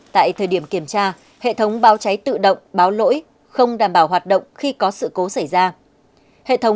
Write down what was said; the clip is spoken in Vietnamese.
tại thời điểm kiểm tra hệ thống báo cháy tự động báo lỗi không đảm bảo yêu cầu